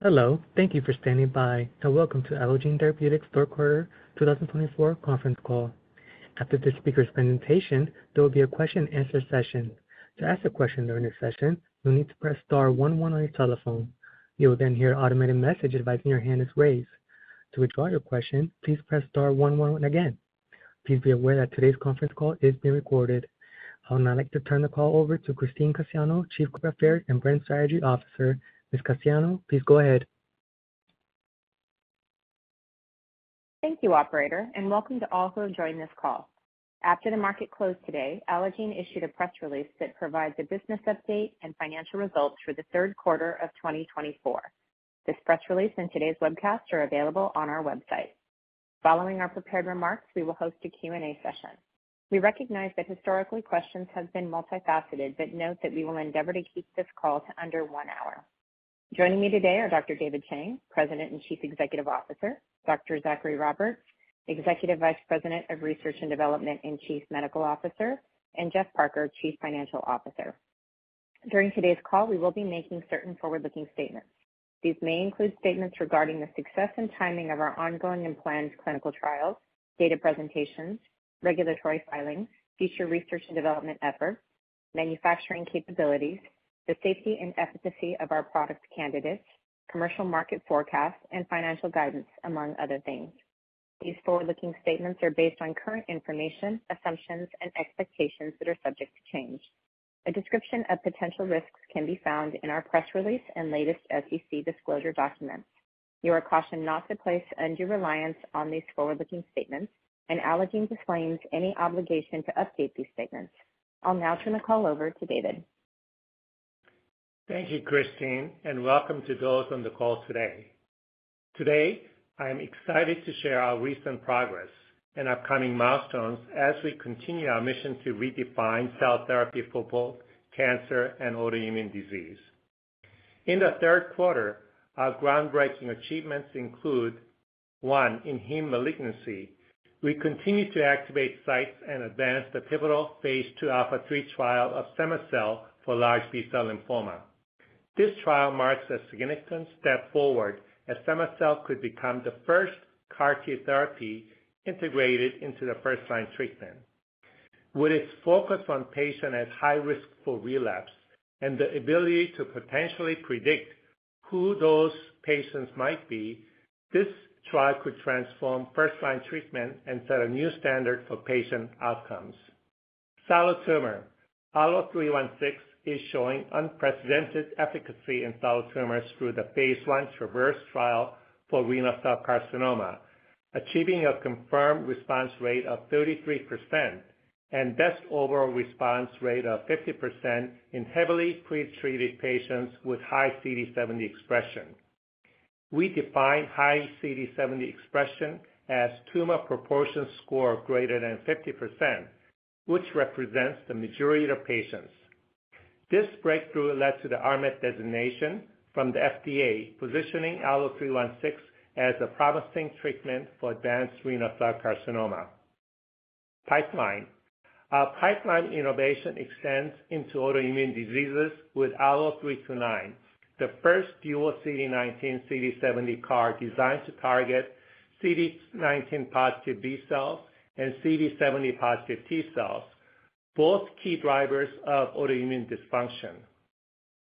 Hello, thank you for standing by, and welcome to Allogene Therapeutics' Third Quarter 2024 conference call. After this speaker's presentation, there will be a question-and-answer session. To ask a question during this session, you'll need to press star 11 on your telephone. You will then hear an automated message advising your hand is raised. To withdraw your question, please press star 11 again. Please be aware that today's conference call is being recorded. I would now like to turn the call over to Christine Cassiano, Chief Corporate Affairs and Brand Strategy Officer. Ms. Cassiano, please go ahead. Thank you, Operator, and welcome to all who are joining this call. After the market closed today, Allogene issued a press release that provides a business update and financial results for the third quarter of 2024. This press release and today's webcast are available on our website. Following our prepared remarks, we will host a Q&A session. We recognize that historically questions have been multifaceted, but note that we will endeavor to keep this call to under one hour. Joining me today are Dr. David Chang, President and Chief Executive Officer; Dr. Zachary Roberts, Executive Vice President of Research and Development and Chief Medical Officer; and Geoff Parker, Chief Financial Officer. During today's call, we will be making certain forward-looking statements. These may include statements regarding the success and timing of our ongoing and planned clinical trials, data presentations, regulatory filings, future research and development efforts, manufacturing capabilities, the safety and efficacy of our product candidates, commercial market forecasts, and financial guidance, among other things. These forward-looking statements are based on current information, assumptions, and expectations that are subject to change. A description of potential risks can be found in our press release and latest SEC disclosure documents. You are cautioned not to place undue reliance on these forward-looking statements, and Allogene disclaims any obligation to update these statements. I'll now turn the call over to David. Thank you, Christine, and welcome to those on the call today. Today, I am excited to share our recent progress and upcoming milestones as we continue our mission to redefine cell therapy for both cancer and autoimmune disease. In the third quarter, our groundbreaking achievements include: one, in heme malignancy, we continue to activate sites and advance the pivotal phase 2 ALPHA3 trial of cema-cel for large B-cell lymphoma. This trial marks a significant step forward as cema-cel could become the first CAR T therapy integrated into the first-line treatment. With its focus on patients at high risk for relapse and the ability to potentially predict who those patients might be, this trial could transform first-line treatment and set a new standard for patient outcomes. Solid tumor ALLO-316 is showing unprecedented efficacy in solid tumors through the phase I TRAVERSE trial for renal cell carcinoma, achieving a confirmed response rate of 33% and best overall response rate of 50% in heavily pretreated patients with high CD70 expression. We define high CD70 expression as tumor proportion score greater than 50%, which represents the majority of patients. This breakthrough led to the RMAT designation from the FDA, positioning ALLO-316 as a promising treatment for advanced renal cell carcinoma. Pipeline. Our pipeline innovation extends into autoimmune diseases with ALLO-329, the first dual CD19/CD70 CAR designed to target CD19 positive B cells and CD70 positive T cells, both key drivers of autoimmune dysfunction.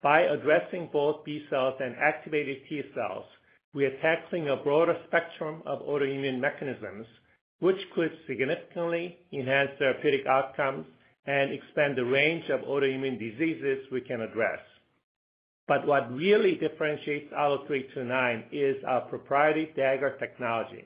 By addressing both B cells and activated T cells, we are tackling a broader spectrum of autoimmune mechanisms, which could significantly enhance therapeutic outcomes and expand the range of autoimmune diseases we can address. But what really differentiates ALLO-329 is our proprietary Dagger technology.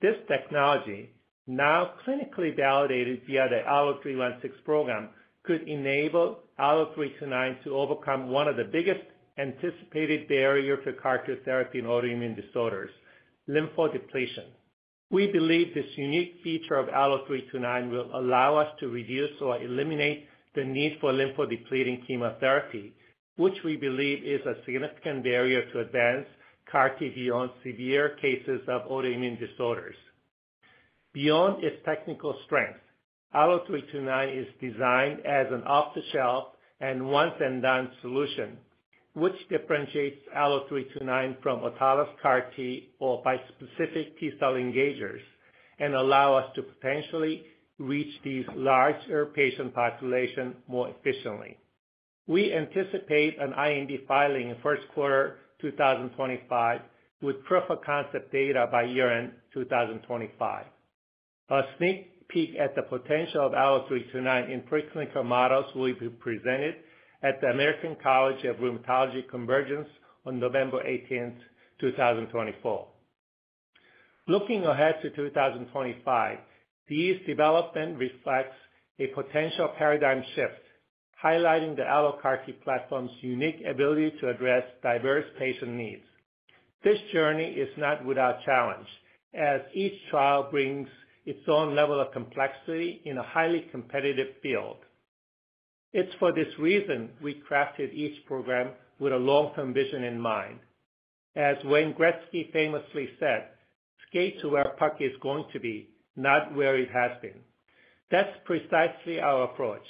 This technology, now clinically validated via the ALLO-316 program, could enable ALLO-329 to overcome one of the biggest anticipated barriers to CAR T therapy in autoimmune disorders: lymphodepletion. We believe this unique feature of ALLO-329 will allow us to reduce or eliminate the need for lymphodepleting chemotherapy, which we believe is a significant barrier to advance CAR T beyond severe cases of autoimmune disorders. Beyond its technical strength, ALLO-329 is designed as an off-the-shelf and once-and-done solution, which differentiates ALLO-329 from autologous CAR T or bispecific T cell engagers and allows us to potentially reach these larger patient populations more efficiently. We anticipate an IND filing in first quarter 2025, with proof of concept data by year-end 2025. A sneak peek at the potential of Allo-329 in preclinical models will be presented at the American College of Rheumatology Convergence on November 18, 2024. Looking ahead to 2025, these developments reflect a potential paradigm shift, highlighting the AlloCAR T platform's unique ability to address diverse patient needs. This journey is not without challenge, as each trial brings its own level of complexity in a highly competitive field. It's for this reason we crafted each program with a long-term vision in mind. As Wayne Gretzky famously said, "Skate to where a puck is going to be, not where it has been." That's precisely our approach.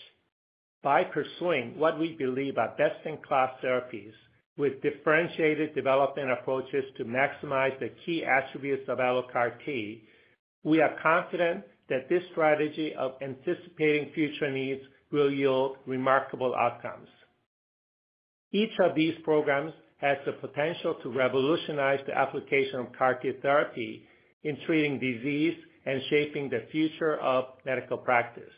By pursuing what we believe are best-in-class therapies with differentiated development approaches to maximize the key attributes of AlloCAR T, we are confident that this strategy of anticipating future needs will yield remarkable outcomes. Each of these programs has the potential to revolutionize the application of CAR T therapy in treating disease and shaping the future of medical practice.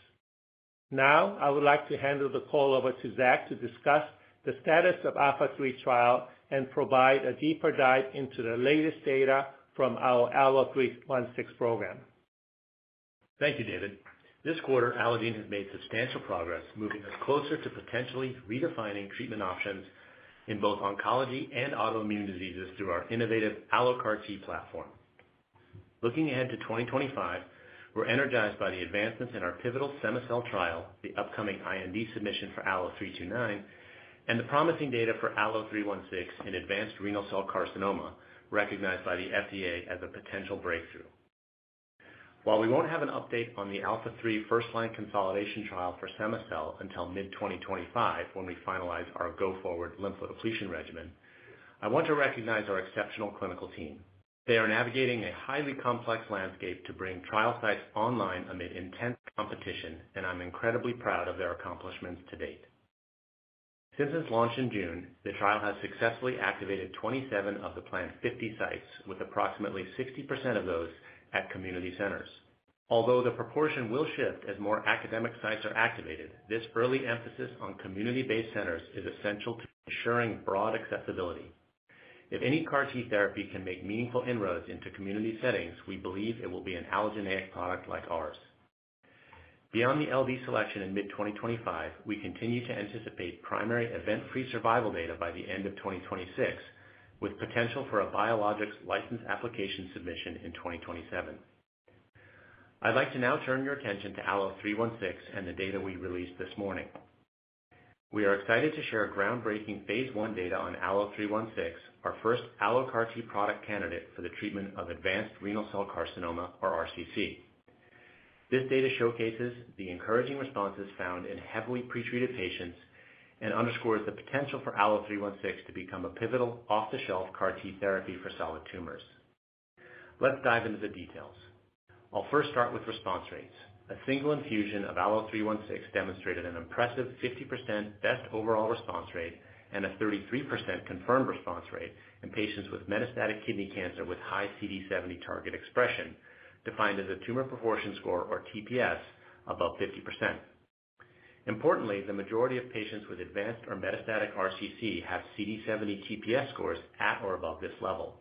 Now, I would like to hand the call over to Zach to discuss the status of the ALPHA3 trial and provide a deeper dive into the latest data from our ALLO-316 program. Thank you, David. This quarter, Allogene has made substantial progress, moving us closer to potentially redefining treatment options in both oncology and autoimmune diseases through our innovative AlloCAR T platform. Looking ahead to 2025, we're energized by the advancements in our pivotal cema-cel trial, the upcoming IND submission for Allo-329, and the promising data for Allo-316 in advanced renal cell carcinoma, recognized by the FDA as a potential breakthrough. While we won't have an update on the ALPHA3 first-line consolidation trial for cema-cel until mid-2025 when we finalize our go-forward lymphodepletion regimen, I want to recognize our exceptional clinical team. They are navigating a highly complex landscape to bring trial sites online amid intense competition, and I'm incredibly proud of their accomplishments to date. Since its launch in June, the trial has successfully activated 27 of the planned 50 sites, with approximately 60% of those at community centers. Although the proportion will shift as more academic sites are activated, this early emphasis on community-based centers is essential to ensuring broad accessibility. If any CAR T therapy can make meaningful inroads into community settings, we believe it will be an allogeneic product like ours. Beyond the LD selection in mid-2025, we continue to anticipate primary event-free survival data by the end of 2026, with potential for a Biologics License Application submission in 2027. I'd like to now turn your attention to Allo-316 and the data we released this morning. We are excited to share groundbreaking phase I data on Allo-316, our first AlloCAR T product candidate for the treatment of advanced renal cell carcinoma, or RCC. This data showcases the encouraging responses found in heavily pretreated patients and underscores the potential for Allo-316 to become a pivotal off-the-shelf CAR T therapy for solid tumors. Let's dive into the details. I'll first start with response rates. A single infusion of ALLO-316 demonstrated an impressive 50% best overall response rate and a 33% confirmed response rate in patients with metastatic kidney cancer with high CD70 target expression, defined as a tumor proportion score, or TPS, above 50%. Importantly, the majority of patients with advanced or metastatic RCC have CD70 TPS scores at or above this level.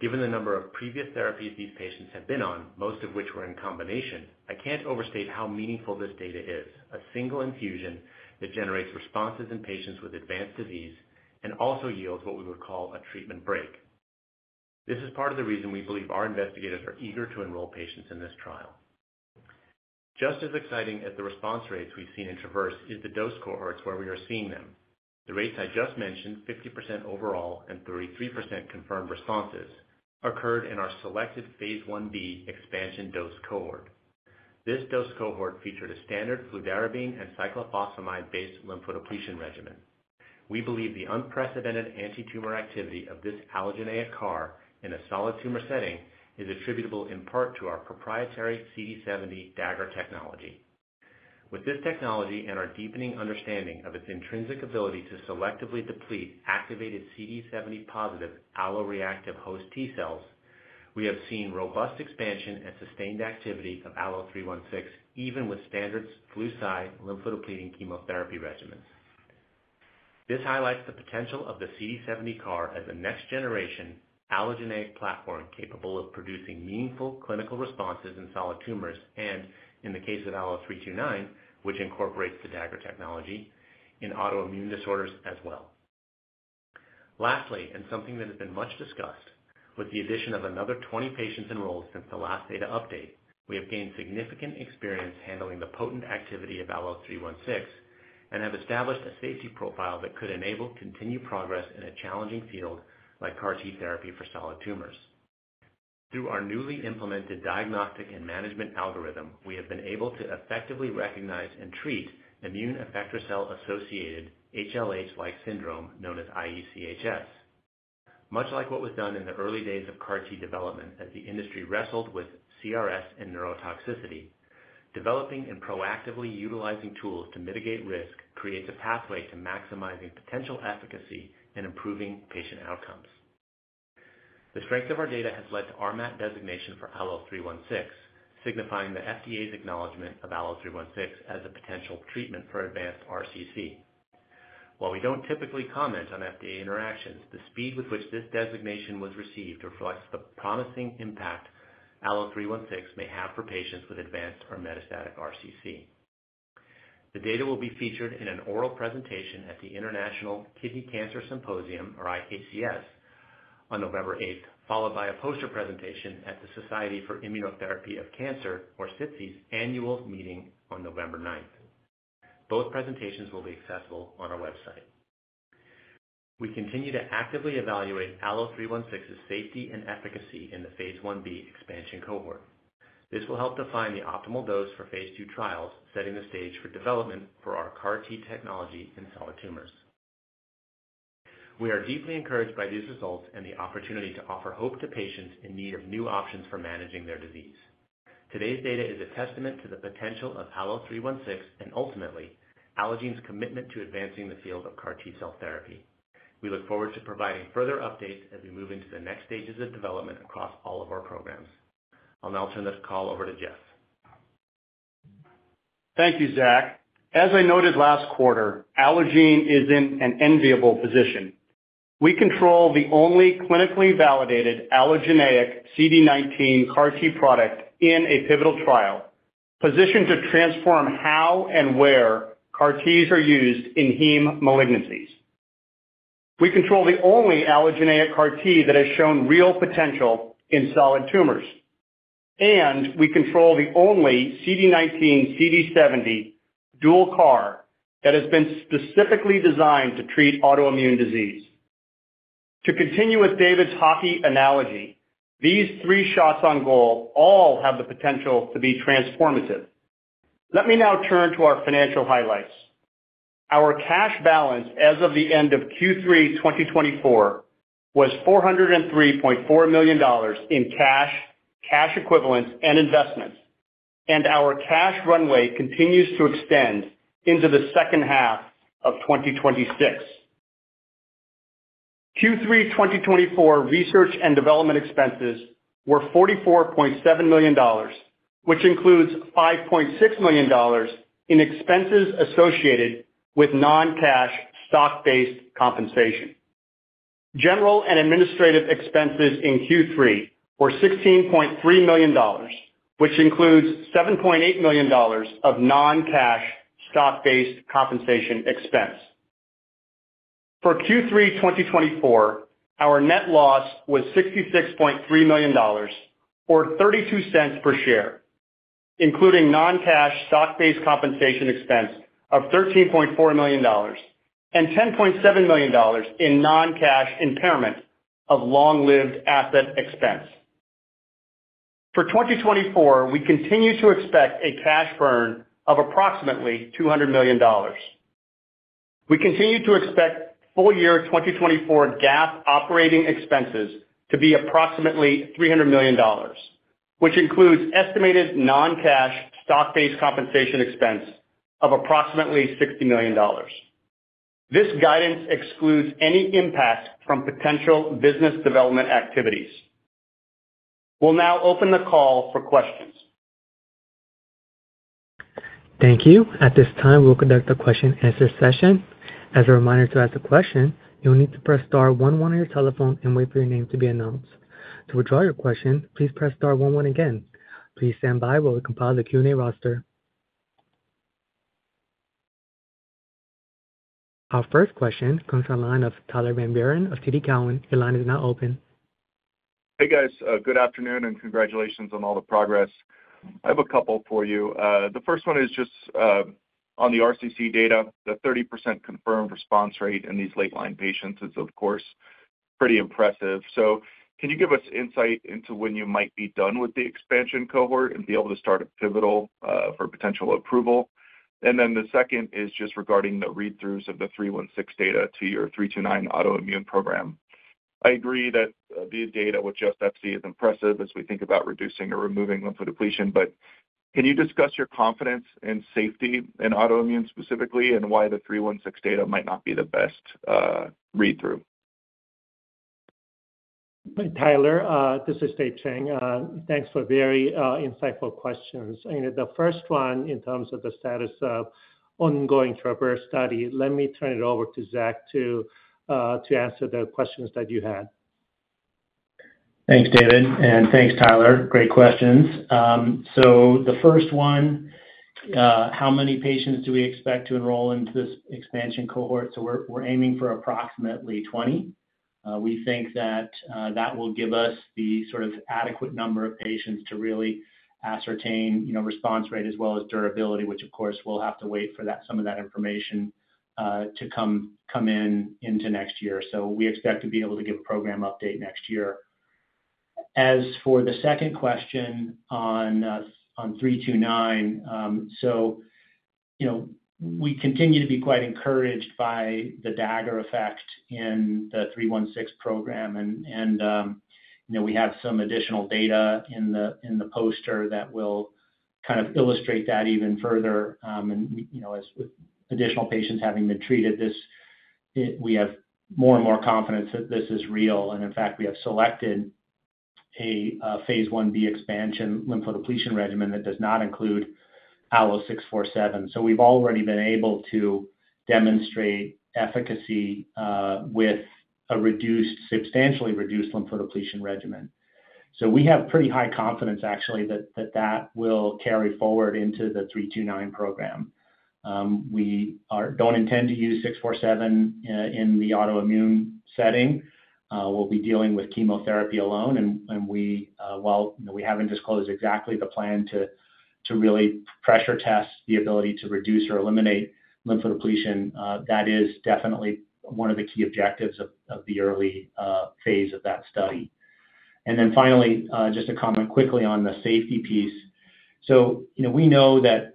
Given the number of previous therapies these patients have been on, most of which were in combination, I can't overstate how meaningful this data is: a single infusion that generates responses in patients with advanced disease and also yields what we would call a treatment break. This is part of the reason we believe our investigators are eager to enroll patients in this trial. Just as exciting as the response rates we've seen in TRAVERSE is the dose cohorts where we are seeing them. The rates I just mentioned, 50% overall and 33% confirmed responses, occurred in our selected phase IB expansion dose cohort. This dose cohort featured a standard fludarabine and cyclophosphamide-based lymphodepletion regimen. We believe the unprecedented anti-tumor activity of this allogeneic CAR in a solid tumor setting is attributable in part to our proprietary CD70 Dagger technology. With this technology and our deepening understanding of its intrinsic ability to selectively deplete activated CD70-positive alloreactive host T cells, we have seen robust expansion and sustained activity of Allo316 even with standard Flu/Cy lymphodepleting chemotherapy regimens. This highlights the potential of the CD70 CAR as a next-generation allogeneic platform capable of producing meaningful clinical responses in solid tumors and, in the case of Allo329, which incorporates the Dagger technology, in autoimmune disorders as well. Lastly, and something that has been much discussed, with the addition of another 20 patients enrolled since the last data update, we have gained significant experience handling the potent activity of ALLO-316 and have established a safety profile that could enable continued progress in a challenging field like CAR T therapy for solid tumors. Through our newly implemented diagnostic and management algorithm, we have been able to effectively recognize and treat immune effector cell-associated HLH-like syndrome known as IECHS. Much like what was done in the early days of CAR T development as the industry wrestled with CRS and neurotoxicity, developing and proactively utilizing tools to mitigate risk creates a pathway to maximizing potential efficacy and improving patient outcomes. The strength of our data has led to RMAT designation for ALLO-316, signifying the FDA's acknowledgment of ALLO-316 as a potential treatment for advanced RCC. While we don't typically comment on FDA interactions, the speed with which this designation was received reflects the promising impact ALLO-316 may have for patients with advanced or metastatic RCC. The data will be featured in an oral presentation at the International Kidney Cancer Symposium, or IKCS, on November 8, followed by a poster presentation at the Society for Immunotherapy of Cancer, or SITC's, annual meeting on November 9. Both presentations will be accessible on our website. We continue to actively evaluate ALLO-316's safety and efficacy in the phase 1B expansion cohort. This will help define the optimal dose for phase 2 trials, setting the stage for development for our CAR T technology in solid tumors. We are deeply encouraged by these results and the opportunity to offer hope to patients in need of new options for managing their disease. Today's data is a testament to the potential of Allo-316 and, ultimately, Allogene's commitment to advancing the field of CAR T cell therapy. We look forward to providing further updates as we move into the next stages of development across all of our programs. I'll now turn the call over to Geoff. Thank you, Zach. As I noted last quarter, Allogene is in an enviable position. We control the only clinically validated allogeneic CD19 CAR T product in a pivotal trial, positioned to transform how and where CAR Ts are used in heme malignancies. We control the only allogeneic CAR T that has shown real potential in solid tumors. And we control the only CD19/CD70 dual CAR that has been specifically designed to treat autoimmune disease. To continue with David's hockey analogy, these three shots on goal all have the potential to be transformative. Let me now turn to our financial highlights. Our cash balance as of the end of Q3 2024 was $403.4 million in cash, cash equivalents, and investments, and our cash runway continues to extend into the second half of 2026. Q3 2024 research and development expenses were $44.7 million, which includes $5.6 million in expenses associated with non-cash stock-based compensation. General and administrative expenses in Q3 were $16.3 million, which includes $7.8 million of non-cash stock-based compensation expense. For Q3 2024, our net loss was $66.3 million, or $0.32 per share, including non-cash stock-based compensation expense of $13.4 million and $10.7 million in non-cash impairment of long-lived asset expense. For 2024, we continue to expect a cash burn of approximately $200 million. We continue to expect full year 2024 GAAP operating expenses to be approximately $300 million, which includes estimated non-cash stock-based compensation expense of approximately $60 million. This guidance excludes any impact from potential business development activities. We'll now open the call for questions. Thank you. At this time, we'll conduct a question-and-answer session. As a reminder to ask the question, you'll need to press star 11 on your telephone and wait for your name to be announced. To withdraw your question, please press star 11 again. Please stand by while we compile the Q&A roster. Our first question comes from the line of Tyler Van Buren of TD Cowen. Your line is now open. Hey, guys. Good afternoon and congratulations on all the progress. I have a couple for you. The first one is just on the RCC data, the 30% confirmed response rate in these late-line patients is, of course, pretty impressive. So can you give us insight into when you might be done with the expansion cohort and be able to start a pivotal for potential approval? And then the second is just regarding the read-throughs of the 316 data to your 329 autoimmune program. I agree that the data with FCA is impressive as we think about reducing or removing lymphodepletion, but can you discuss your confidence in safety in autoimmune specifically and why the 316 data might not be the best read-through? Hi, Tyler. This is Dave Chang. Thanks for very insightful questions. The first one, in terms of the status of ongoing TRAVERSE study, let me turn it over to Zach to answer the questions that you had. Thanks, David. And thanks, Tyler. Great questions. So the first one, how many patients do we expect to enroll into this expansion cohort? So we're aiming for approximately 20. We think that that will give us the sort of adequate number of patients to really ascertain response rate as well as durability, which, of course, we'll have to wait for some of that information to come in into next year. So we expect to be able to give a program update next year. As for the second question on 329, so we continue to be quite encouraged by the Dagger effect in the 316 program. And we have some additional data in the poster that will kind of illustrate that even further. And with additional patients having been treated, we have more and more confidence that this is real. In fact, we have selected a phase 1B expansion lymphodepletion regimen that does not include ALL-647. So we've already been able to demonstrate efficacy with a reduced, substantially reduced lymphodepletion regimen. So we have pretty high confidence, actually, that that will carry forward into the 329 program. We don't intend to use 647 in the autoimmune setting. We'll be dealing with chemotherapy alone. And while we haven't disclosed exactly the plan to really pressure test the ability to reduce or eliminate lymphodepletion, that is definitely one of the key objectives of the early phase of that study. And then finally, just a comment quickly on the safety piece. So we know that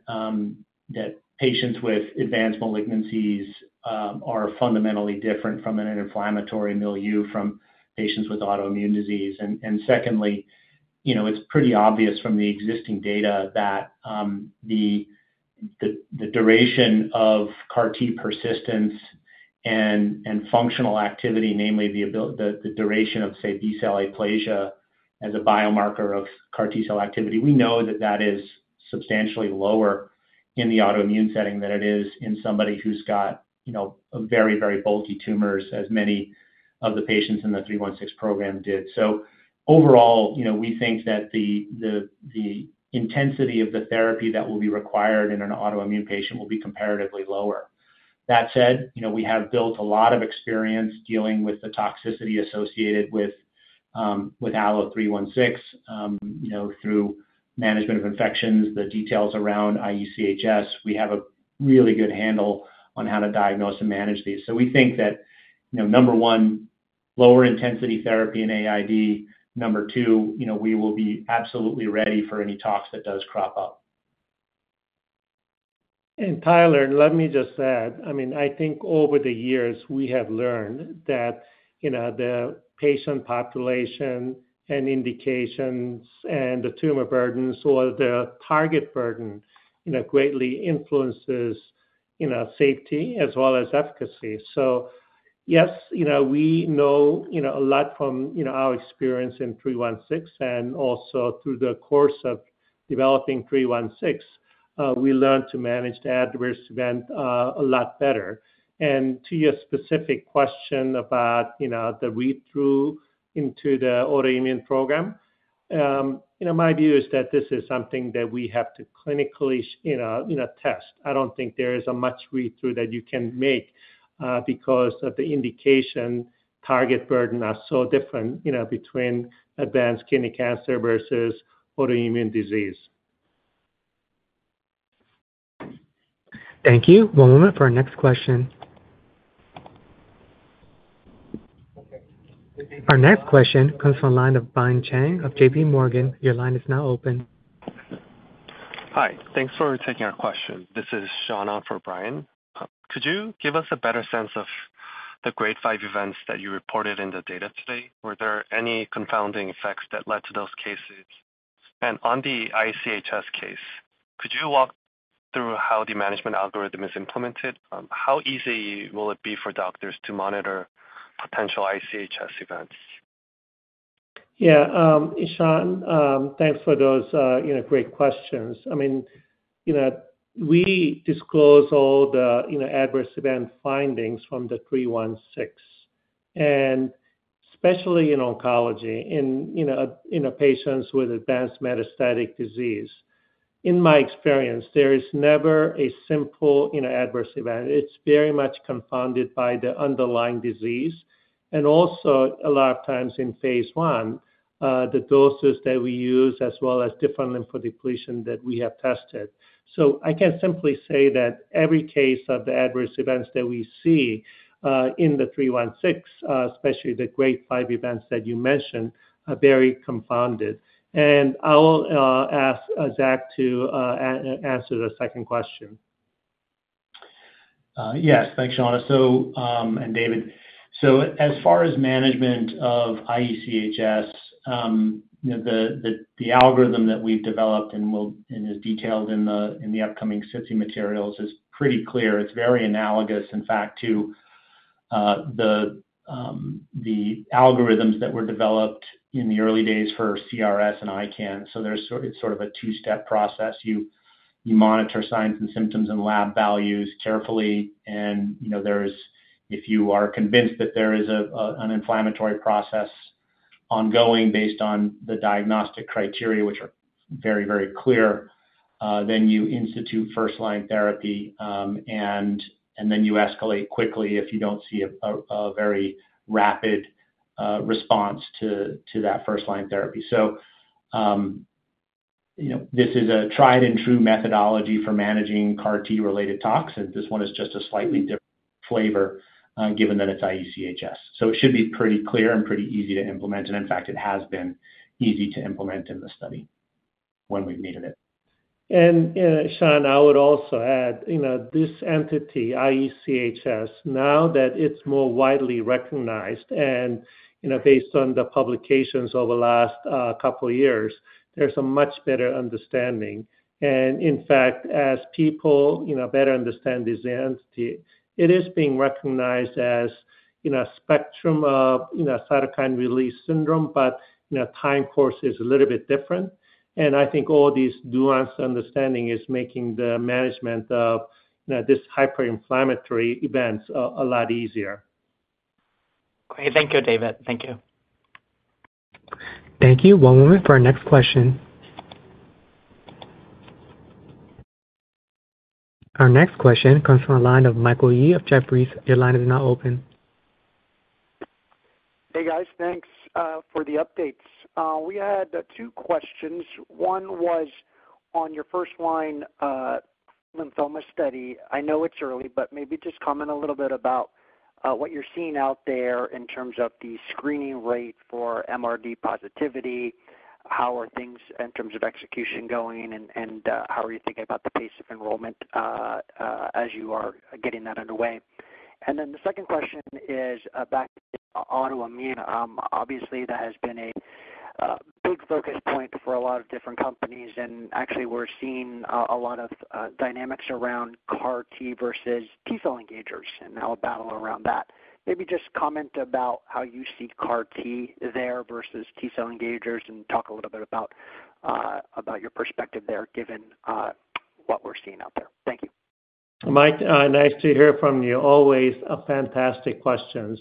patients with advanced malignancies are fundamentally different from an inflammatory milieu from patients with autoimmune disease. Secondly, it's pretty obvious from the existing data that the duration of CAR T persistence and functional activity, namely the duration of, say, B-cell aplasia as a biomarker of CAR T cell activity, we know that that is substantially lower in the autoimmune setting than it is in somebody who's got very, very bulky tumors, as many of the patients in the 316 program did. Overall, we think that the intensity of the therapy that will be required in an autoimmune patient will be comparatively lower. That said, we have built a lot of experience dealing with the toxicity associated with Allo-316 through management of infections, the details around IECHS. We have a really good handle on how to diagnose and manage these. We think that, number one, lower intensity therapy in AID. Number two, we will be absolutely ready for any toxicity that does crop up. Tyler, let me just add. I mean, I think over the years, we have learned that the patient population and indications and the tumor burden or the target burden greatly influences safety as well as efficacy. So yes, we know a lot from our experience in 316 and also through the course of developing 316, we learned to manage the adverse event a lot better. To your specific question about the read-through into the autoimmune program, my view is that this is something that we have to clinically test. I don't think there is a much read-through that you can make because of the indication target burden are so different between advanced kidney cancer versus autoimmune disease. Thank you. One moment for our next question. Our next question comes from the line of Brian Cheng of JPMorgan. Your line is now open. Hi. Thanks for taking our question. This is Shauna for Brian. Could you give us a better sense of the Grade 5 events that you reported in the data today? Were there any confounding effects that led to those cases? And on the IECHS case, could you walk through how the management algorithm is implemented? How easy will it be for doctors to monitor potential IECHS events? Yeah. Shauna, thanks for those great questions. I mean, we disclose all the adverse event findings from the 316, and especially in oncology, in patients with advanced metastatic disease. In my experience, there is never a simple adverse event. It's very much confounded by the underlying disease. And also, a lot of times in phase 1, the doses that we use as well as different lymphodepletion that we have tested. So I can simply say that every case of the adverse events that we see in the 316, especially the grade five events that you mentioned, are very confounded. And I'll ask Zach to answer the second question. Yes. Thanks, Shauna and David. So as far as management of IECHS, the algorithm that we've developed and is detailed in the upcoming SITC materials is pretty clear. It's very analogous, in fact, to the algorithms that were developed in the early days for CRS and ICANS. So it's sort of a two-step process. You monitor signs and symptoms and lab values carefully. And if you are convinced that there is an inflammatory process ongoing based on the diagnostic criteria, which are very, very clear, then you institute first-line therapy. And then you escalate quickly if you don't see a very rapid response to that first-line therapy. So this is a tried-and-true methodology for managing CAR T-related toxins. This one is just a slightly different flavor, given that it's IECHS. So it should be pretty clear and pretty easy to implement. And in fact, it has been easy to implement in the study when we've needed it. And Shauna, I would also add this entity, IECHS, now that it's more widely recognized and based on the publications over the last couple of years, there's a much better understanding. And in fact, as people better understand this entity, it is being recognized as a spectrum of cytokine release syndrome, but time course is a little bit different. And I think all these nuanced understanding is making the management of these hyper-inflammatory events a lot easier. Great. Thank you, David. Thank you. Thank you. One moment for our next question. Our next question comes from the line of Michael Yee of Jefferies. Your line is now open. Hey, guys. Thanks for the updates. We had two questions. One was on your first-line lymphoma study. I know it's early, but maybe just comment a little bit about what you're seeing out there in terms of the screening rate for MRD positivity. How are things in terms of execution going? And how are you thinking about the pace of enrollment as you are getting that underway? And then the second question is back to autoimmune. Obviously, that has been a big focus point for a lot of different companies. And actually, we're seeing a lot of dynamics around CAR T versus T-cell engagers and now a battle around that. Maybe just comment about how you see CAR T there versus T-cell engagers and talk a little bit about your perspective there given what we're seeing out there. Thank you. Mike, nice to hear from you. Always fantastic questions.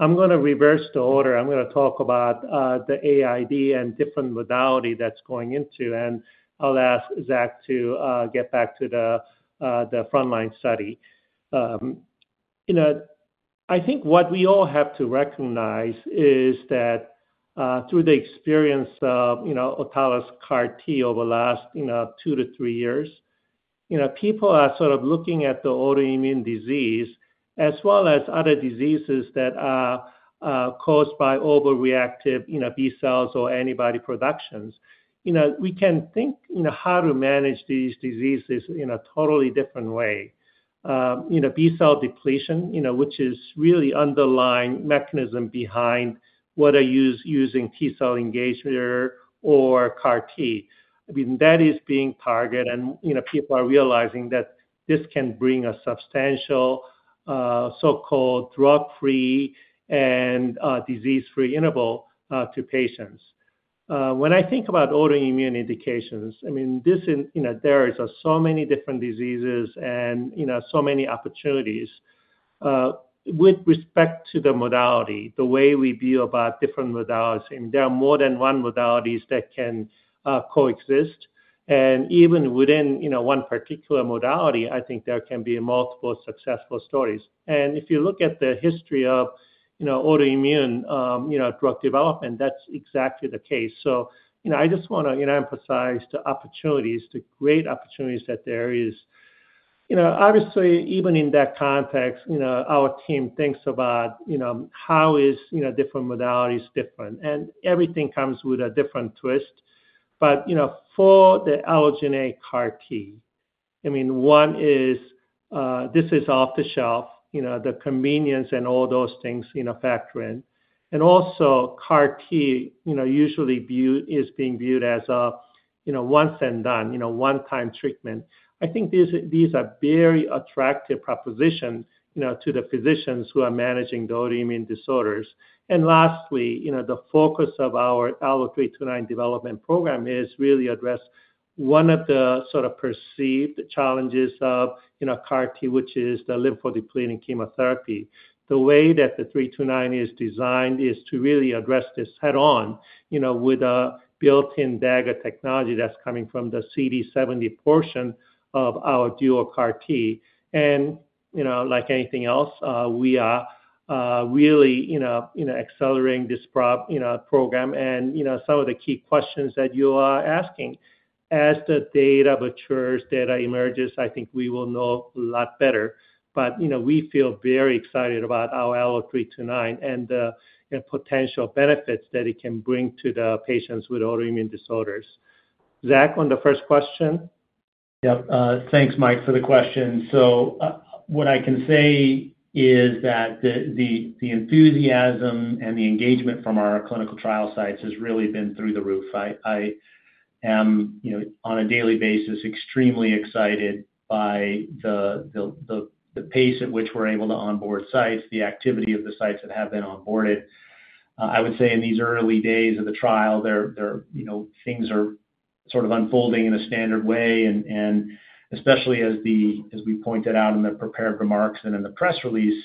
I'm going to reverse the order. I'm going to talk about the AID and different modality that's going into, and I'll ask Zach to get back to the front-line study. I think what we all have to recognize is that through the experience of autologous CAR T over the last two to three years, people are sort of looking at the autoimmune disease as well as other diseases that are caused by overreactive B-cells or antibody productions. We can think how to manage these diseases in a totally different way. B-cell depletion, which is really the underlying mechanism behind whether using T-cell engagement or CAR T, I mean, that is being targeted, and people are realizing that this can bring a substantial so-called drug-free and disease-free interval to patients. When I think about autoimmune indications, I mean, there are so many different diseases and so many opportunities. With respect to the modality, the way we view about different modalities, there are more than one modalities that can coexist. And even within one particular modality, I think there can be multiple successful stories. And if you look at the history of autoimmune drug development, that's exactly the case. So I just want to emphasize the opportunities, the great opportunities that there is. Obviously, even in that context, our team thinks about how are different modalities different. And everything comes with a different twist. But for the allogeneic CAR T, I mean, one is this is off the shelf. The convenience and all those things factor in. And also, CAR T usually is being viewed as a once-and-done, one-time treatment. I think these are very attractive propositions to the physicians who are managing the autoimmune disorders, and lastly, the focus of our Allo-329 development program is really to address one of the sort of perceived challenges of CAR T, which is the lymphodepleting chemotherapy. The way that the 329 is designed is to really address this head-on with a built-in Dagger technology that's coming from the CD70 portion of our dual CAR T, and like anything else, we are really accelerating this program, and some of the key questions that you are asking, as the data matures, data emerges, I think we will know a lot better, but we feel very excited about our Allo-329 and the potential benefits that it can bring to the patients with autoimmune disorders. Zach, on the first question. Yep. Thanks, Mike, for the question. So what I can say is that the enthusiasm and the engagement from our clinical trial sites has really been through the roof. I am, on a daily basis, extremely excited by the pace at which we're able to onboard sites, the activity of the sites that have been onboarded. I would say in these early days of the trial, things are sort of unfolding in a standard way. And especially as we pointed out in the prepared remarks and in the press release,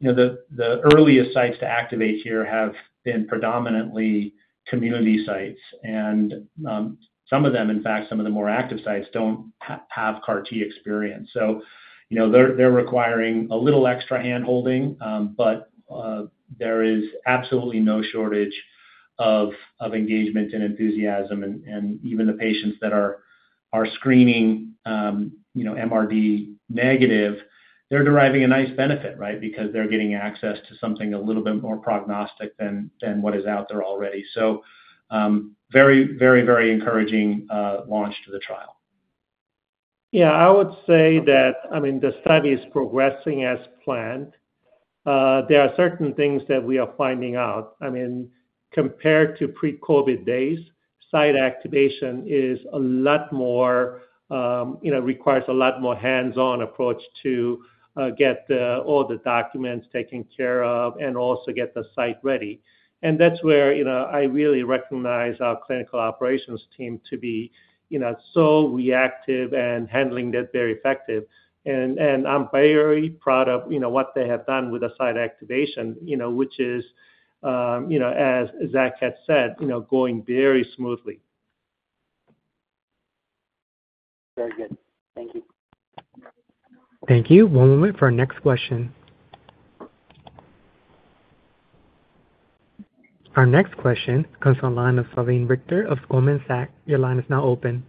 the earliest sites to activate here have been predominantly community sites. And some of them, in fact, some of the more active sites don't have CAR T experience. So they're requiring a little extra hand-holding, but there is absolutely no shortage of engagement and enthusiasm. Even the patients that are screening MRD negative, they're deriving a nice benefit, right, because they're getting access to something a little bit more prognostic than what is out there already. Very, very, very encouraging launch to the trial. Yeah. I would say that, I mean, the study is progressing as planned. There are certain things that we are finding out. I mean, compared to pre-COVID days, site activation requires a lot more hands-on approach to get all the documents taken care of and also get the site ready. And that's where I really recognize our clinical operations team to be so reactive and handling that very effective. And I'm very proud of what they have done with the site activation, which is, as Zach had said, going very smoothly. Very good. Thank you. Thank you. One moment for our next question. Our next question comes from the line of Salveen Richter of Goldman Sachs. Your line is now open.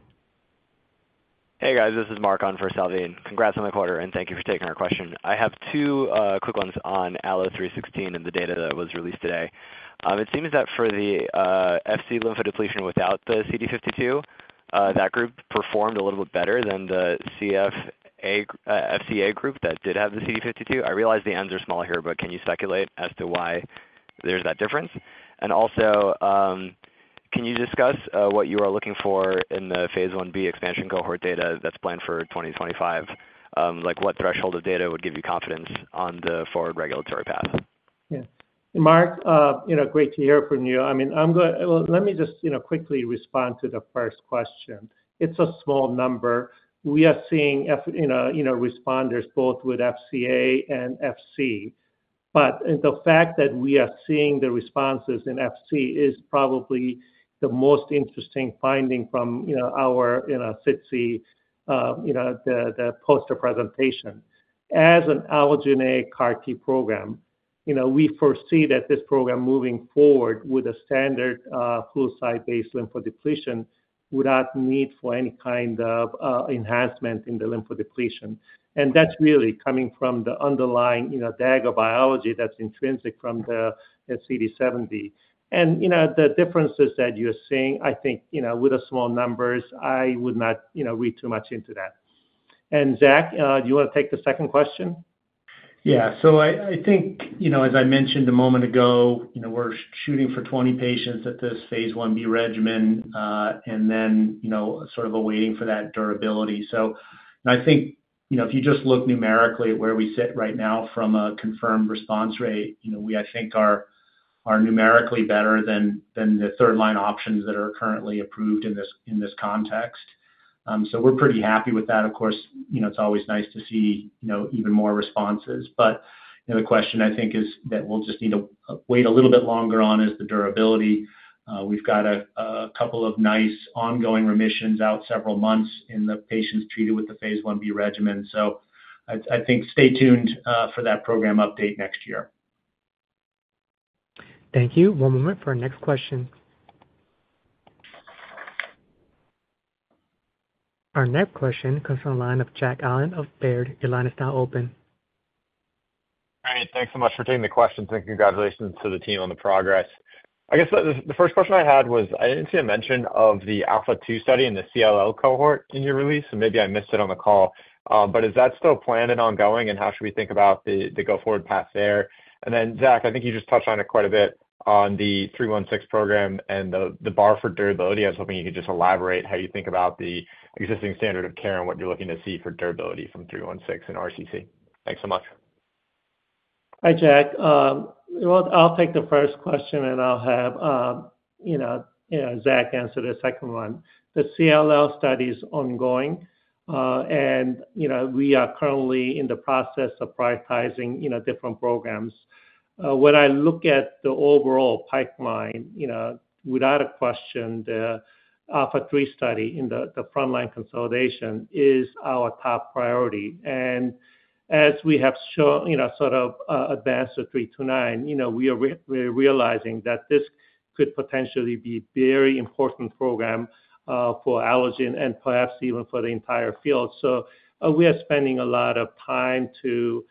Hey, guys. This is Marc on for Salveen. Congrats on the quarter, and thank you for taking our question. I have two quick ones on Allo-316 and the data that was released today. It seems that for the FC lymphodepletion without the CD52, that group performed a little bit better than the FCA group that did have the CD52. I realize the ends are small here, but can you speculate as to why there's that difference? And also, can you discuss what you are looking for in the phase one B expansion cohort data that's planned for 2025? What threshold of data would give you confidence on the forward regulatory path? Yeah. Mark, great to hear from you. I mean, let me just quickly respond to the first question. It's a small number. We are seeing responders both with FCA and FC. But the fact that we are seeing the responses in FC is probably the most interesting finding from our SITC, the poster presentation. As an allogeneic CAR T program, we foresee that this program moving forward with a standard fludarabine cyclophosphamide lymphodepletion would not need for any kind of enhancement in the lymphodepletion. And that's really coming from the underlying Dagger biology that's intrinsic from the CD70. And the differences that you're seeing, I think with the small numbers, I would not read too much into that. And Zach, do you want to take the second question? Yeah. So I think, as I mentioned a moment ago, we're shooting for 20 patients at this phase 1 B regimen and then sort of awaiting for that durability. So I think if you just look numerically at where we sit right now from a confirmed response rate, I think we are numerically better than the third-line options that are currently approved in this context. So we're pretty happy with that. Of course, it's always nice to see even more responses. But the question, I think, is that we'll just need to wait a little bit longer on is the durability. We've got a couple of nice ongoing remissions out several months in the patients treated with the phase 1 B regimen. So I think stay tuned for that program update next year. Thank you. One moment for our next question. Our next question comes from the line of Jack Allen of Baird. Your line is now open. All right. Thanks so much for taking the question, and congratulations to the team on the progress. I guess the first question I had was, I didn't see a mention of the ALPHA2 study and the CLL cohort in your release, so maybe I missed it on the call, but is that still planned and ongoing, and then, Zach, I think you just touched on it quite a bit on the 316 program and the bar for durability. I was hoping you could just elaborate how you think about the existing standard of care and what you're looking to see for durability from 316 and RCC. Thanks so much. Hi, Jack. Well, I'll take the first question, and I'll have Zach answer the second one. The CLL study is ongoing, and we are currently in the process of prioritizing different programs. When I look at the overall pipeline, without question, the ALPHA3 study in the front-line consolidation is our top priority. And as we have sort of advanced the 329, we are realizing that this could potentially be a very important program for Allogene and perhaps even for the entire field. So we are spending a lot of time to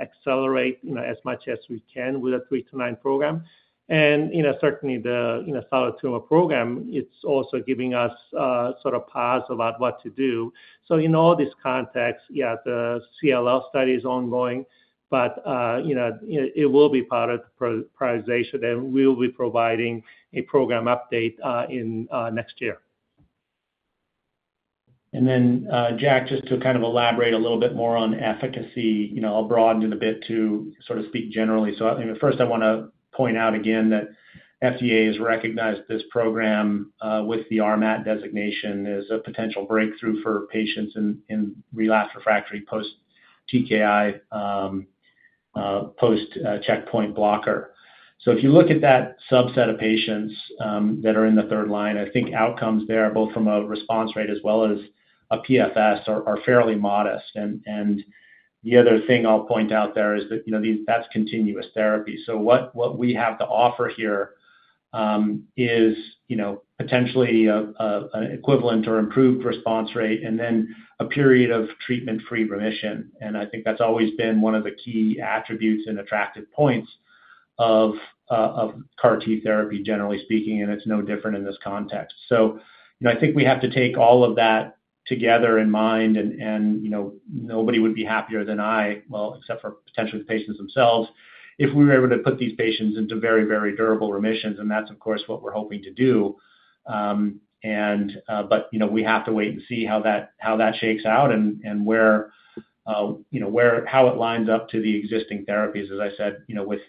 accelerate as much as we can with the 329 program. And certainly, the solid tumor program, it's also giving us sort of pause about what to do. So in all this context, yeah, the CLL study is ongoing, but it will be part of the prioritization, and we will be providing a program update next year. And then, Jack, just to kind of elaborate a little bit more on efficacy, I'll broaden it a bit to sort of speak generally. So first, I want to point out again that FDA has recognized this program with the RMAT designation as a potential breakthrough for patients in relapsed/refractory post-TKI, post-checkpoint blocker. So if you look at that subset of patients that are in the third line, I think outcomes there, both from a response rate as well as a PFS, are fairly modest. And the other thing I'll point out there is that that's continuous therapy. So what we have to offer here is potentially an equivalent or improved response rate and then a period of treatment-free remission. And I think that's always been one of the key attributes and attractive points of CAR T therapy, generally speaking, and it's no different in this context. So I think we have to take all of that together in mind. And nobody would be happier than I, well, except for potentially the patients themselves, if we were able to put these patients into very, very durable remissions. And that's, of course, what we're hoping to do. But we have to wait and see how that shakes out and how it lines up to the existing therapies, as I said, with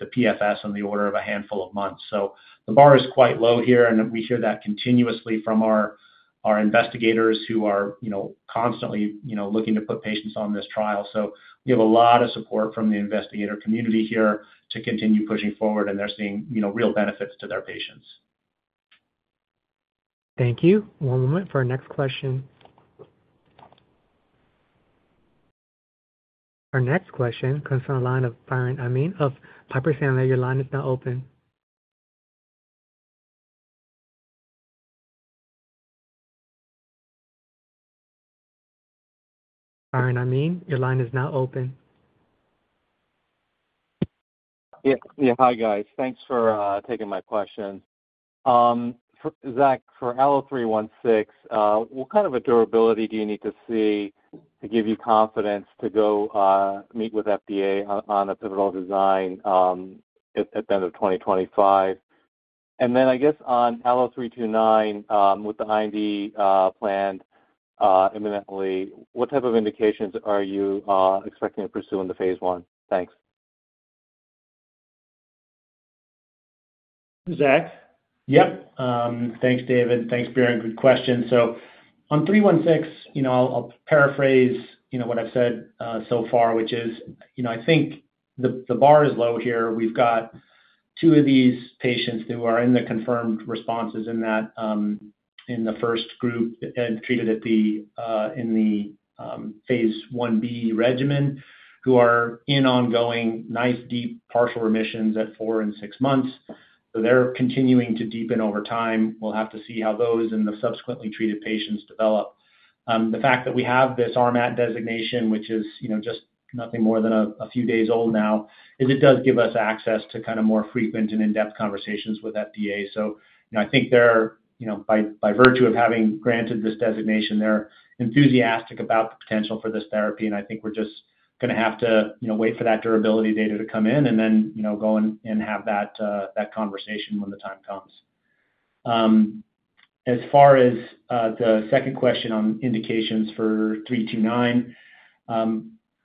the PFS on the order of a handful of months. So the bar is quite low here, and we hear that continuously from our investigators who are constantly looking to put patients on this trial. So we have a lot of support from the investigator community here to continue pushing forward, and they're seeing real benefits to their patients. Thank you. One moment for our next question. Our next question comes from the line of Edward Tenthoff of Piper Sandler. Your line is now open. Edward Tenthoff, your line is now open. Yeah. Hi, guys. Thanks for taking my question. Zach, for Allo316, what kind of a durability do you need to see to give you confidence to go meet with FDA on a pivotal design at the end of 2025? And then I guess on Allo329 with the IND planned imminently, what type of indications are you expecting to pursue in the phase one? Thanks. Zach? Yep. Thanks, David. Thanks, Biren. Good question. So on 316, I'll paraphrase what I've said so far, which is I think the bar is low here. We've got two of these patients who are in the confirmed responses in the first group and treated in the phase one B regimen who are in ongoing nice, deep partial remissions at four and six months. So they're continuing to deepen over time. We'll have to see how those and the subsequently treated patients develop. The fact that we have this RMAT designation, which is just nothing more than a few days old now, is. It does give us access to kind of more frequent and in-depth conversations with FDA. So I think they're, by virtue of having granted this designation, they're enthusiastic about the potential for this therapy. I think we're just going to have to wait for that durability data to come in and then go and have that conversation when the time comes. As far as the second question on indications for 329,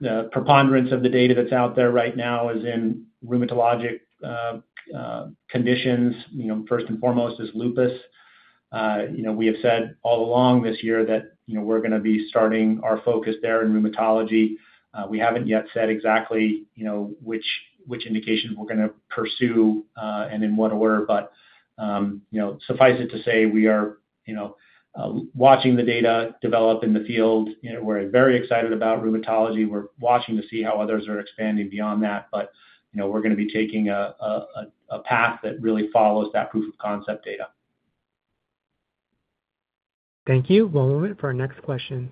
the preponderance of the data that's out there right now is in rheumatologic conditions. First and foremost is lupus. We have said all along this year that we're going to be starting our focus there in rheumatology. We haven't yet said exactly which indications we're going to pursue and in what order. Suffice it to say, we are watching the data develop in the field. We're very excited about rheumatology. We're watching to see how others are expanding beyond that. We're going to be taking a path that really follows that proof of concept data. Thank you. One moment for our next question.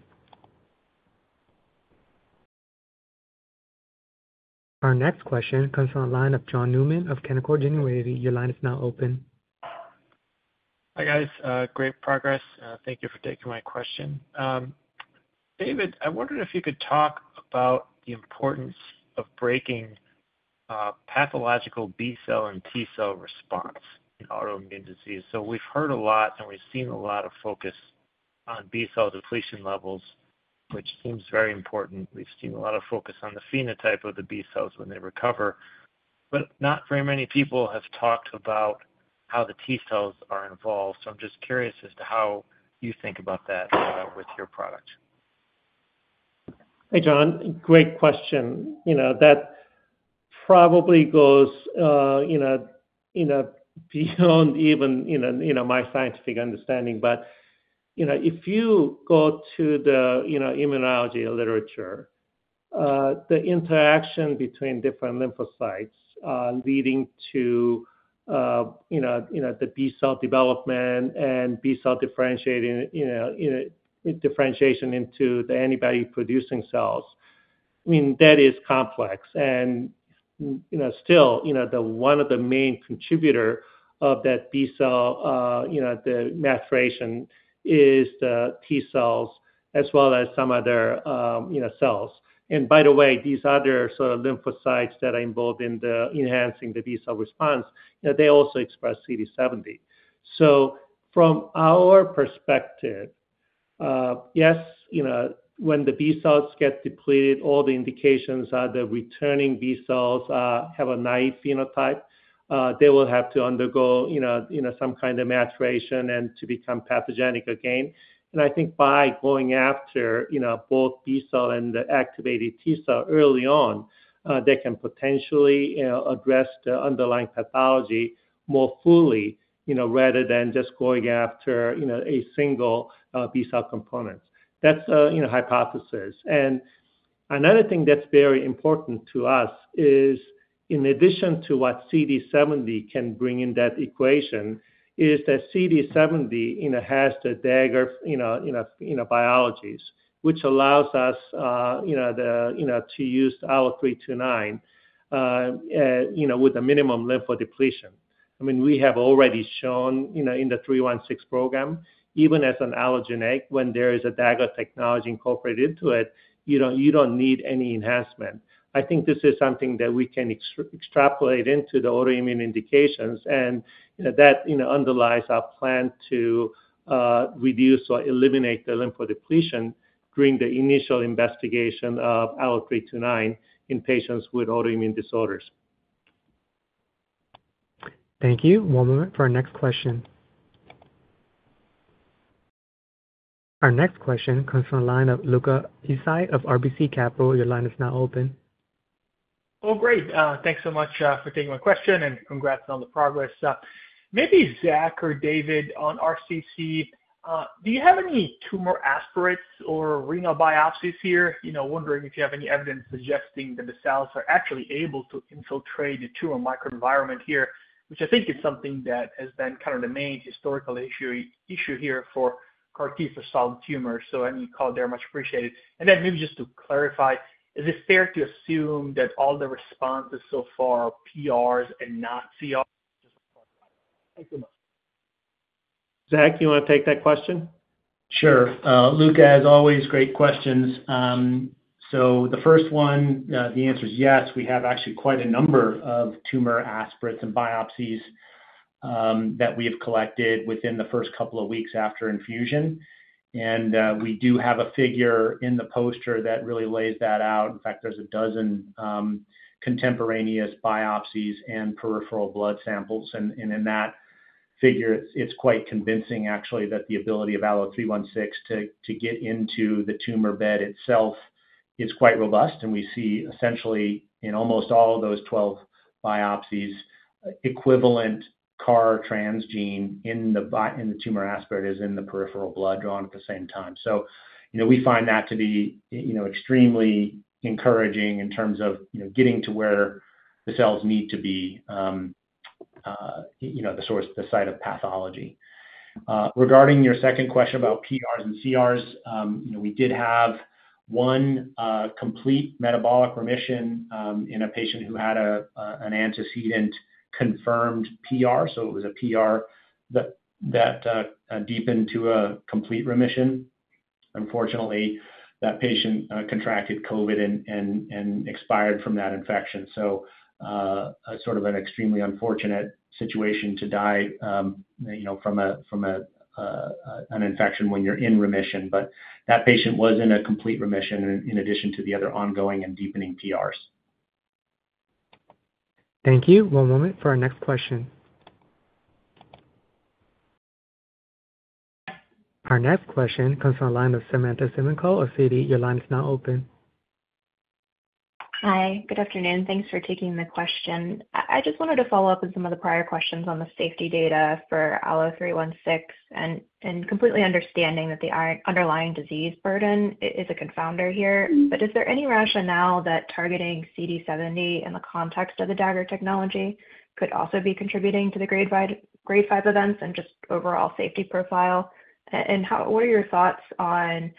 Our next question comes from the line of John Newman of Canaccord Genuity. Your line is now open. Hi, guys. Great progress. Thank you for taking my question. David, I wondered if you could talk about the importance of breaking pathological B cell and T cell response in autoimmune disease. So we've heard a lot, and we've seen a lot of focus on B cell depletion levels, which seems very important. We've seen a lot of focus on the phenotype of the B cells when they recover. But not very many people have talked about how the T cells are involved. So I'm just curious as to how you think about that with your product. Hey, John. Great question. That probably goes beyond even my scientific understanding. But if you go to the immunology literature, the interaction between different lymphocytes leading to the B cell development and B cell differentiation into the antibody-producing cells, I mean, that is complex. And still, one of the main contributors of that B cell, the maturation, is the T cells as well as some other cells. And by the way, these other sort of lymphocytes that are involved in enhancing the B cell response, they also express CD70. So from our perspective, yes, when the B cells get depleted, all the indications are the returning B cells have a naive phenotype. They will have to undergo some kind of maturation and to become pathogenic again. And I think by going after both B cell and the activated T cell early on, they can potentially address the underlying pathology more fully rather than just going after a single B cell component. That's a hypothesis. And another thing that's very important to us is, in addition to what CD70 can bring in that equation, is that CD70 has the Dagger technology, which allows us to use Allo-329 with a minimum lymphodepletion. I mean, we have already shown in the 316 program, even as an allogeneic, when there is a Dagger technology incorporated into it, you don't need any enhancement. I think this is something that we can extrapolate into the autoimmune indications. And that underlies our plan to reduce or eliminate the lymphodepletion during the initial investigation of Allo-329 in patients with autoimmune disorders. Thank you. One moment for our next question. Our next question comes from the line of Luca Issi of RBC Capital Markets. Your line is now open. Oh, great. Thanks so much for taking my question and congrats on the progress. Maybe Zach or David on RCC, do you have any tumor aspirates or renal biopsies here? Wondering if you have any evidence suggesting that the cells are actually able to infiltrate the tumor microenvironment here, which I think is something that has been kind of the main historical issue here for CAR T for solid tumors. So any color there much appreciated. And then maybe just to clarify, is it fair to assume that all the responses so far are PRs and not CRs? Thanks so much. Zach, do you want to take that question? Sure. Luca, as always, great questions. So the first one, the answer is yes. We have actually quite a number of tumor aspirates and biopsies that we have collected within the first couple of weeks after infusion. And we do have a figure in the poster that really lays that out. In fact, there's a dozen contemporaneous biopsies and peripheral blood samples. And in that figure, it's quite convincing, actually, that the ability of ALLO-316 to get into the tumor bed itself is quite robust. And we see essentially in almost all of those 12 biopsies, equivalent CAR transgene in the tumor aspirate is in the peripheral blood drawn at the same time. So we find that to be extremely encouraging in terms of getting to where the cells need to be the site of pathology. Regarding your second question about PRs and CRs, we did have one complete metabolic remission in a patient who had an antecedent confirmed PR. So it was a PR that deepened to a complete remission. Unfortunately, that patient contracted COVID and expired from that infection. So sort of an extremely unfortunate situation to die from an infection when you're in remission. But that patient was in a complete remission in addition to the other ongoing and deepening PRs. Thank you. One moment for our next question. Our next question comes from the line of Samantha Semenkow of Citi. Your line is now open. Hi. Good afternoon. Thanks for taking the question. I just wanted to follow up on some of the prior questions on the safety data for ALLO-316 and completely understanding that the underlying disease burden is a confounder here. But is there any rationale that targeting CD70 in the context of the Dagger technology could also be contributing to the grade 5 events and just overall safety profile? And what are your thoughts on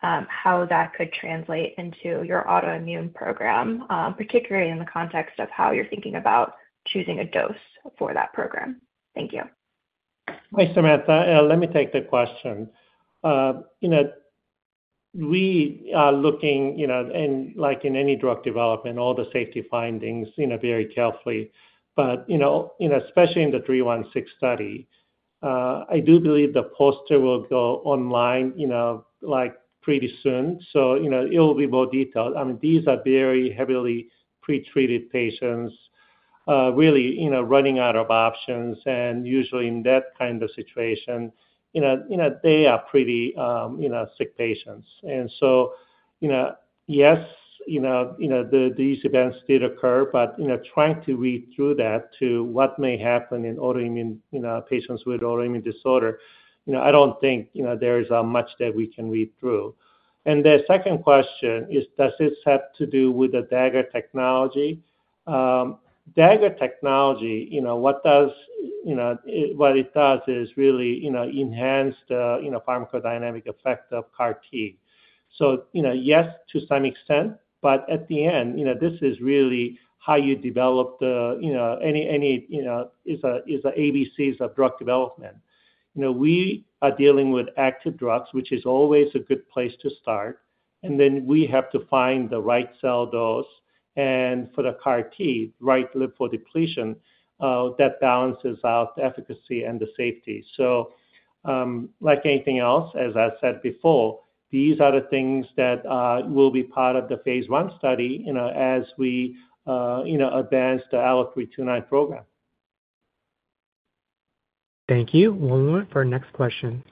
how that could translate into your autoimmune program, particularly in the context of how you're thinking about choosing a dose for that program? Thank you. Hi, Samantha. Let me take the question. We are looking, like in any drug development, all the safety findings very carefully. But especially in the 316 study, I do believe the poster will go online pretty soon. So it will be more detailed. I mean, these are very heavily pretreated patients, really running out of options. And usually in that kind of situation, they are pretty sick patients. And so yes, these events did occur. But trying to read through that to what may happen in autoimmune patients with autoimmune disorder, I don't think there is much that we can read through. And the second question is, does this have to do with the Dagger technology? Dagger technology, what it does is really enhance the pharmacodynamic effect of CAR T. So yes, to some extent. But at the end, this is really how you develop the ABCs of drug development. We are dealing with active drugs, which is always a good place to start. And then we have to find the right cell dose. And for the CAR T, right lymphodepletion, that balances out the efficacy and the safety. So like anything else, as I said before, these are the things that will be part of the phase one study as we advance the Allo-329 program. Thank you. One moment for our next question.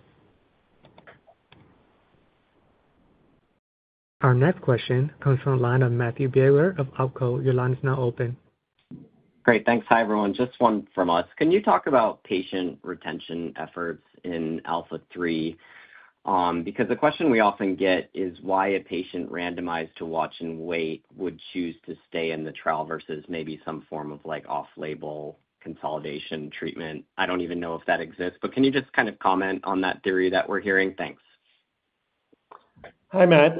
Our next question comes from the line of Matthew Biegler of Oppenheimer. Your line is now open. Great. Thanks. Hi, everyone. Just one from us. Can you talk about patient retention efforts in ALPHA3? Because the question we often get is why a patient randomized to watch and wait would choose to stay in the trial versus maybe some form of off-label consolidation treatment. I don't even know if that exists. But can you just kind of comment on that theory that we're hearing? Thanks. Hi, Matt.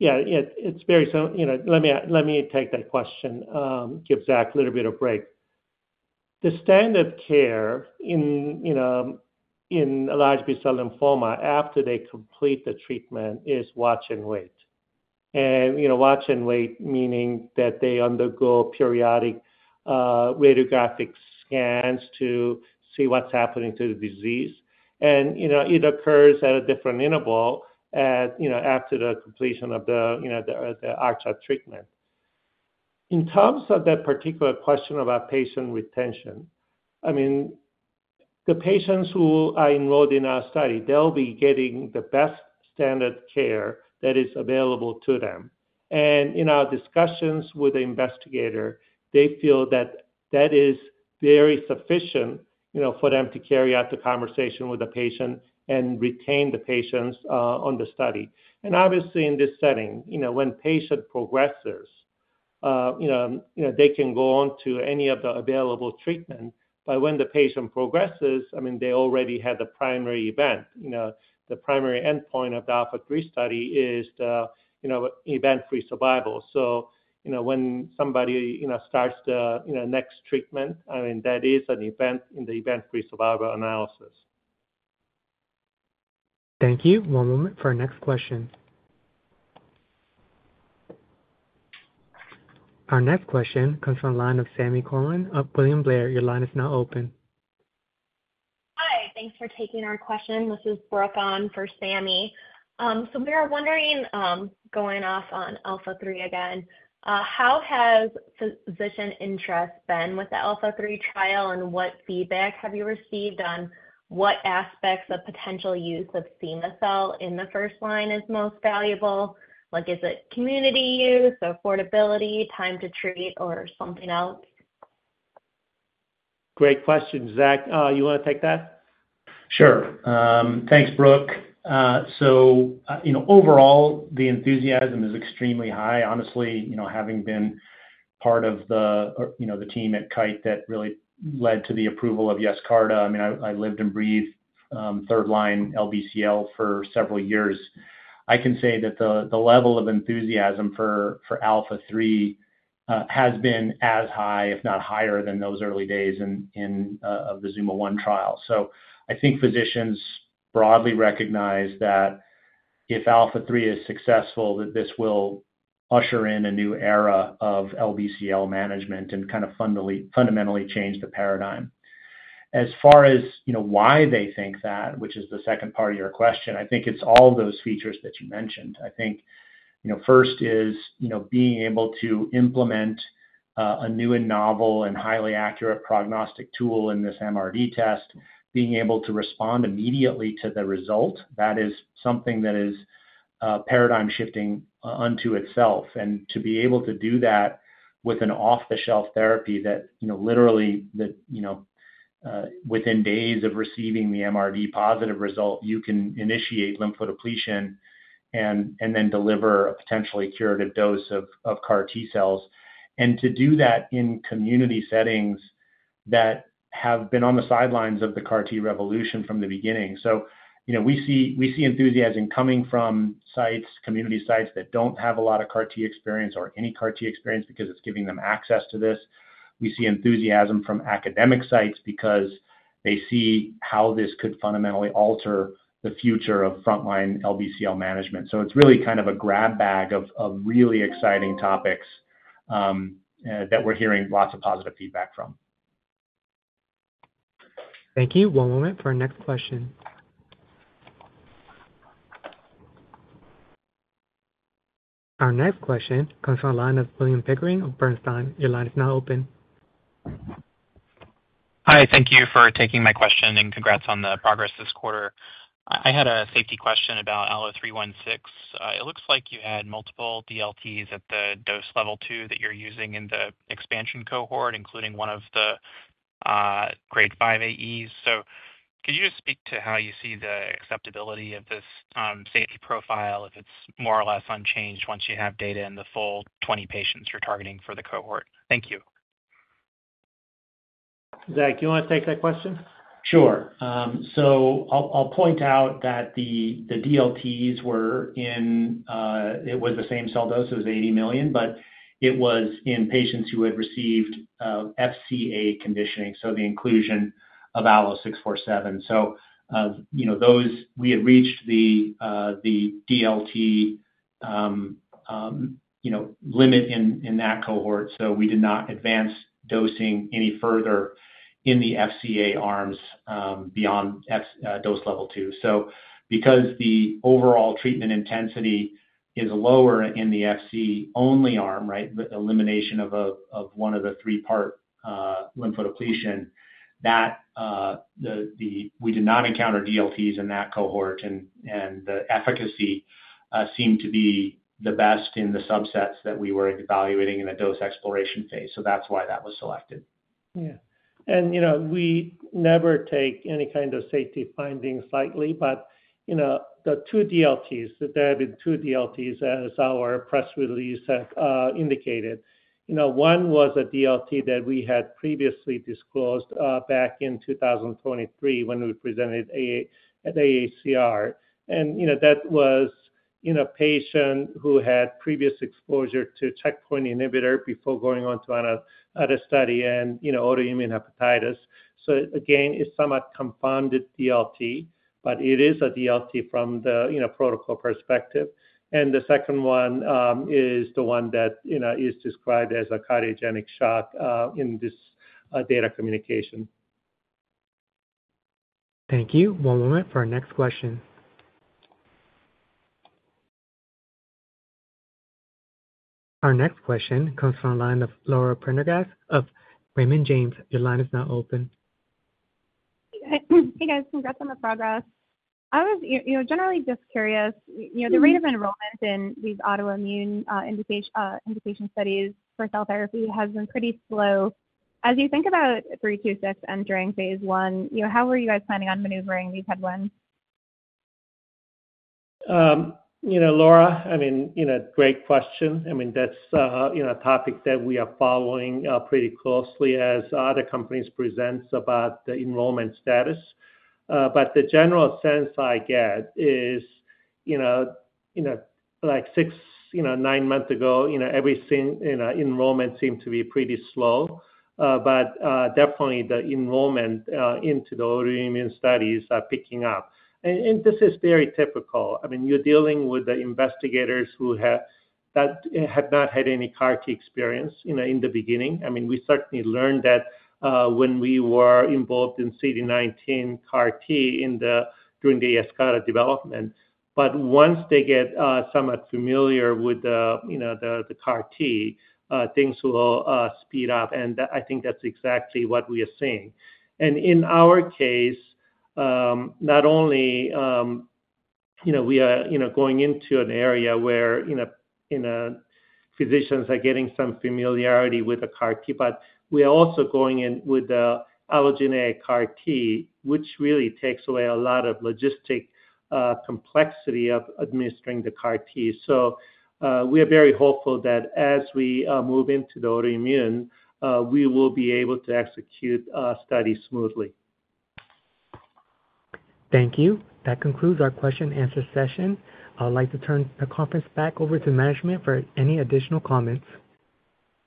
Yeah. It's very soon. Let me take that question. Give Zach a little bit of break. The standard care in large B-cell lymphoma after they complete the treatment is watch and wait. And watch and wait, meaning that they undergo periodic radiographic scans to see what's happening to the disease. And it occurs at a different interval after the completion of the initial treatment. In terms of that particular question about patient retention, I mean, the patients who are enrolled in our study, they'll be getting the best standard care that is available to them. And in our discussions with the investigator, they feel that that is very sufficient for them to carry out the conversation with the patient and retain the patients on the study. And obviously, in this setting, when patient progresses, they can go on to any of the available treatment. But when the patient progresses, I mean, they already had the primary event. The primary endpoint of the ALPHA3 study is the event-free survival. So when somebody starts the next treatment, I mean, that is an event in the event-free survival analysis. Thank you. One moment for our next question. Our next question comes from the line of Sami Corwin of William Blair. Your line is now open. Hi. Thanks for taking our question. This is Brooke on for Sammy. So we are wondering, going off on ALPHA3 again, how has physician interest been with the ALPHA3 trial? And what feedback have you received on what aspects of potential use of cema-cel in the first-line is most valuable? Is it community use, affordability, time to treat, or something else? Great question, Zach. You want to take that? Sure. Thanks, Brooke. So overall, the enthusiasm is extremely high. Honestly, having been part of the team at Kite that really led to the approval of Yescarta, I mean, I lived and breathed third-line LBCL for several years. I can say that the level of enthusiasm for ALPHA3 has been as high, if not higher, than those early days of the ZUMA-1 trial. So I think physicians broadly recognize that if ALPHA3 is successful, that this will usher in a new era of LBCL management and kind of fundamentally change the paradigm. As far as why they think that, which is the second part of your question, I think it's all of those features that you mentioned. I think first is being able to implement a new and novel and highly accurate prognostic tool in this MRD test, being able to respond immediately to the result. That is something that is paradigm-shifting unto itself. And to be able to do that with an off-the-shelf therapy that literally within days of receiving the MRD positive result, you can initiate lymphodepletion and then deliver a potentially curative dose of CAR T cells. And to do that in community settings that have been on the sidelines of the CAR T revolution from the beginning. So we see enthusiasm coming from community sites that don't have a lot of CAR T experience or any CAR T experience because it's giving them access to this. We see enthusiasm from academic sites because they see how this could fundamentally alter the future of frontline LBCL management. So it's really kind of a grab bag of really exciting topics that we're hearing lots of positive feedback from. Thank you. One moment for our next question. Our next question comes from the line of William Pickering of Bernstein. Your line is now open. Hi. Thank you for taking my question and congrats on the progress this quarter. I had a safety question about ALLO-316. It looks like you had multiple DLTs at the dose level 2 that you're using in the expansion cohort, including one of the grade 5 AEs. So could you just speak to how you see the acceptability of this safety profile if it's more or less unchanged once you have data in the full 20 patients you're targeting for the cohort? Thank you. Zach, do you want to take that question? Sure. So I'll point out that the DLTs were in it was the same cell dose. It was 80 million. But it was in patients who had received FCA conditioning, so the inclusion of ALLO-647. So we had reached the DLT limit in that cohort. So we did not advance dosing any further in the FCA arms beyond dose level 2. So because the overall treatment intensity is lower in the FC only arm, right, the elimination of one of the three-part lymphodepletion, we did not encounter DLTs in that cohort. And the efficacy seemed to be the best in the subsets that we were evaluating in the dose exploration phase. So that's why that was selected. Yeah. And we never take any kind of safety findings lightly. But the two DLTs, the ALPHA2 DLTs, as our press release indicated, one was a DLT that we had previously disclosed back in 2023 when we presented at AACR. And that was a patient who had previous exposure to checkpoint inhibitor before going on to another study and autoimmune hepatitis. So again, it's somewhat confounded DLT, but it is a DLT from the protocol perspective. And the second one is the one that is described as a cardiogenic shock in this data communication. Thank you. One moment for our next question. Our next question comes from the line of Laura Prendergast of Raymond James. Your line is now open. Hey, guys. Congrats on the progress. I was generally just curious. The rate of enrollment in these autoimmune indication studies for cell therapy has been pretty slow. As you think about 326 entering phase one, how were you guys planning on maneuvering these headwinds? Laura, I mean, great question. I mean, that's a topic that we are following pretty closely as other companies present about the enrollment status. But the general sense I get is like six, nine months ago, every enrollment seemed to be pretty slow. But definitely, the enrollment into the autoimmune studies are picking up. And this is very typical. I mean, you're dealing with the investigators who have not had any CAR T experience in the beginning. I mean, we certainly learned that when we were involved in CD19 CAR T during the Yescarta development. But once they get somewhat familiar with the CAR T, things will speed up. And I think that's exactly what we are seeing. And in our case, not only are we going into an area where physicians are getting some familiarity with the CAR T, but we are also going in with the allogeneic CAR T, which really takes away a lot of logistic complexity of administering the CAR T. So we are very hopeful that as we move into the autoimmune, we will be able to execute studies smoothly. Thank you. That concludes our question-and-answer session. I'd like to turn the conference back over to management for any additional comments.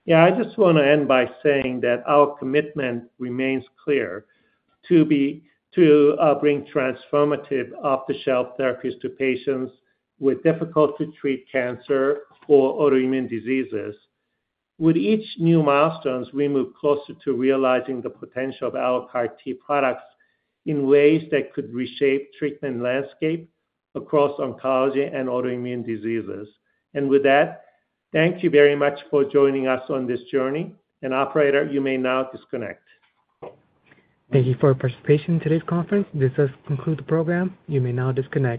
Yeah. I just want to end by saying that our commitment remains clear to bring transformative off-the-shelf therapies to patients with difficult-to-treat cancer or autoimmune diseases. With each new milestone, we move closer to realizing the potential of our CAR T products in ways that could reshape the treatment landscape across oncology and autoimmune diseases. And with that, thank you very much for joining us on this journey. And operator, you may now disconnect. Thank you for participating in today's conference. This does conclude the program. You may now disconnect.